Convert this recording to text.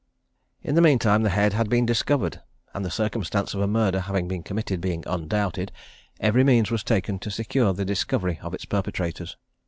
In the meantime the head had been discovered, and the circumstance of a murder having been committed being undoubted, every means was taken to secure the discovery of its perpetrators.